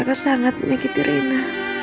aku sangat menyakiti rena